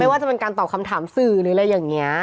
ว่าจะเป็นการตอบคำถามสื่อหรืออะไรอย่างนี้